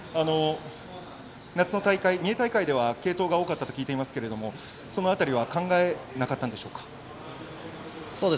夏の大会、三重大会では継投が多かったと聞いていますがその辺りは考えなかったのでしょうか？